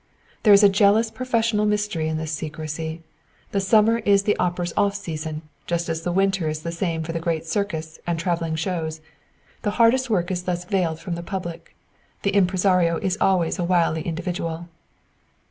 There is a jealous professional mystery in this secrecy. The summer is the opera's off season, just as the winter is the same for the great circus and travelling shows. The hardest work is thus veiled from the public. The impresario is always a wily individual."